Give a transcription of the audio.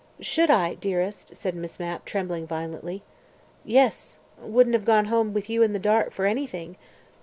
"Should I, dearest?" said Miss Mapp, trembling violently. "Yes. Wouldn't have gone home with you in the dark for anything.